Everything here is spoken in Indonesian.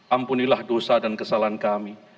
ampunilah dosa dan kesalahan kami